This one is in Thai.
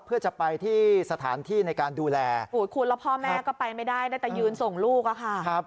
เพื่อจะไปที่สถานที่ในการดูแลคุณแล้วพ่อแม่ก็ไปไม่ได้ได้แต่ยืนส่งลูกอะค่ะ